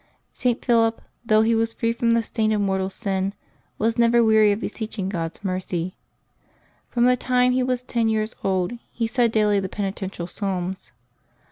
St. Philip, though he was free from the stain of mortal sin, was never weary of beseeching God's mercy. • From the time he was ten years old he said daily the Penitential Psalms.